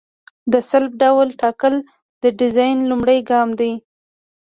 د سلب ډول ټاکل د ډیزاین لومړی ګام دی